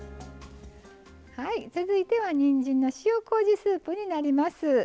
続いてはにんじんの塩こうじスープになります。